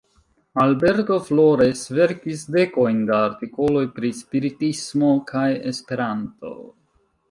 Alberto Flores verkis dekojn da artikoloj pri spiritismo kaj Esperanto.